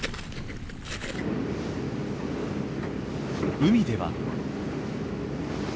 海では。